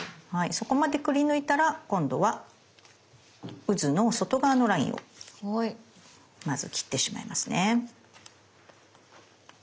そこまでくりぬいたら今度はうずの外側のラインをまず切ってしまいますね。